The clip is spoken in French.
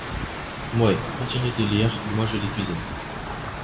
Mouais, continue de lire, moi je les cuisine.